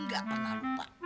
ga pernah lupa